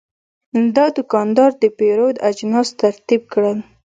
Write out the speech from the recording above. دا دوکاندار د پیرود اجناس ترتیب کړل.